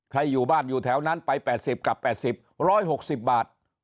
ใครอยู่บ้านอยู่แถวนั้นไปแปดสิบกลับแปดสิบร้อยหกสิบบาท